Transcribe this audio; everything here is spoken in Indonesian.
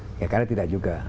saya kira tidak juga